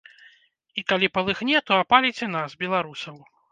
І калі палыхне, то апаліць і нас, беларусаў.